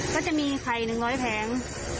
ก็จะมีไข่๑๐๐แผง